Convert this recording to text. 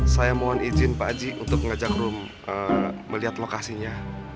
saya mohon izin pak aji untuk mengajak room melihat lokasinya